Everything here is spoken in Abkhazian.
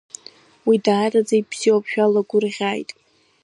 Уи даараӡа ибзиоуп, шәалагәырӷьааит.